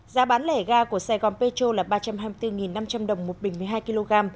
giá bán lẻ ga của sài gòn petro là ba trăm hai mươi bốn năm trăm linh đồng một bình một mươi hai kg